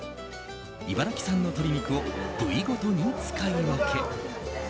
茨城産の鶏肉を部位ごとに使い分け。